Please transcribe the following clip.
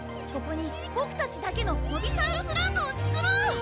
ここにボクたちだけのノビサウルスランドをつくろう！